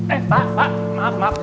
eh pak pak maaf maaf